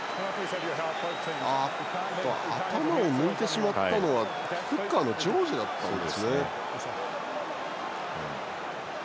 頭を抜いてしまったのはフッカーのジョージだったんですかね。